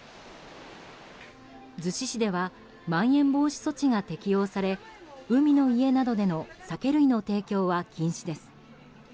逗子市ではまん延防止措置が適用され海の家などでの酒類の提供は禁止です。